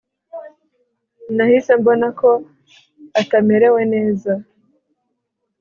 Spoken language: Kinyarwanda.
Nahise mbona ko atamerewe neza